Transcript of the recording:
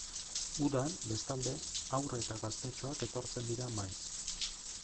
Udan, bestalde, haur eta gaztetxoak etortzen dira maiz.